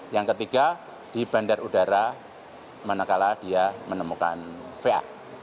yang ketiga di bandar udara mana kala dia menemukan va